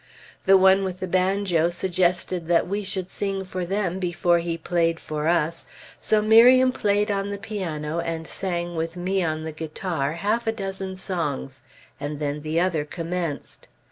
The one with the banjo suggested that we should sing for them before he played for us, so Miriam played on the piano, and sang with me on the guitar half a dozen songs, and then the other commenced.